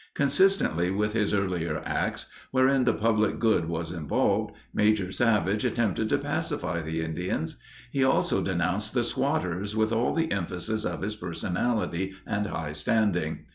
Consistently with his earlier acts, wherein the public good was involved, Major Savage attempted to pacify the Indians. He also denounced the "squatters" with all the emphasis of his personality and high standing.